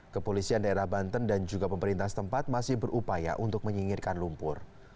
kepolisian daerah banten dan juga pemerintah setempat masih berupaya untuk menyingirkan lumpur